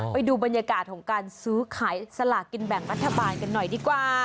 ไปดูบรรยากาศของการซื้อขายสลากกินแบ่งรัฐบาลกันหน่อยดีกว่า